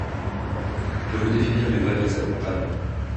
Je vous défie bien de gravir cette montagne!